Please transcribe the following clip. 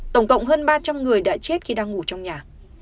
tổng cộng hơn ba trăm linh người đã chết khi đang ngủ trong nhà